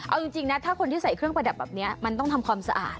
เอาจริงนะถ้าคนที่ใส่เครื่องประดับแบบนี้มันต้องทำความสะอาด